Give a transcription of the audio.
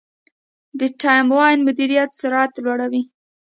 د ټایملاین مدیریت سرعت لوړوي.